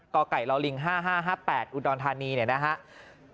กล๕๕๕๘อุดอนทานีเนี่ยนะครับ